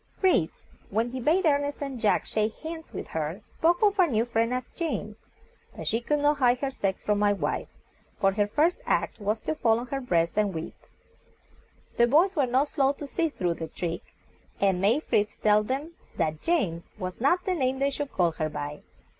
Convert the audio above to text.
Fritz, when he bade Ernest and Jack shake bands with her, spoke of our new friend as James, but she could not hide her sex from my wife, for her first act was to fall on her breast and weep. The boys were not slow to see through the trick, and made Fritz tell them that "James" was not the name they should call her by.